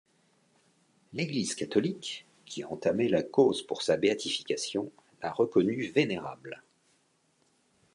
L'Église catholique, qui a entamé la cause pour sa béatification, l'a reconnu vénérable.